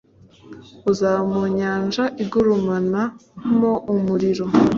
uzaba mu nyanja igurumanamo umuriro